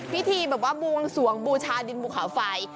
พิธีบางวันส่วงบูชาดินภูเขาไฟ